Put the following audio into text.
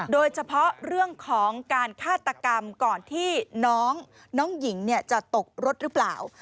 โดยเฉพาะเรื่องของการฆาตกรรมก่อนที่น้องหญิงจะตกรถหรือเปล่า